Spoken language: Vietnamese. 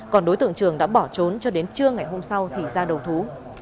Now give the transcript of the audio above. còn đối tượng trường đã bỏ trốn cho đến trưa ngày hôm sau thì ra đầu thú